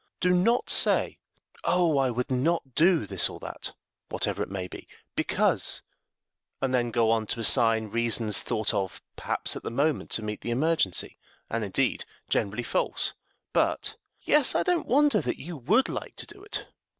Do not say, "Oh, I would not do this or that" whatever it may be "because" and then go on to assign reasons thought of perhaps at the moment to meet the emergency, and indeed generally false; but, "Yes, I don't wonder that you would like to do it.